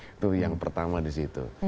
itu yang pertama di situ